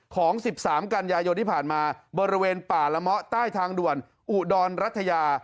ของ๑๓กันยายนที่ผ่านมาบริเวณป่าละเมาะใต้ทางด่วนอุดรรัฐยา